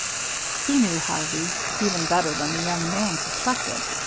He knew Harvey, even better than the younger man suspected.